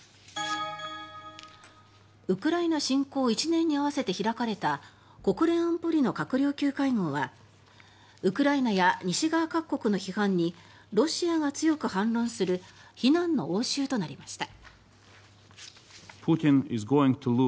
ウクライナ侵攻１年に合わせて開かれた国連安保理の閣僚級会合はウクライナや西側各国の批判にロシアが強く反論する非難の応酬となりました。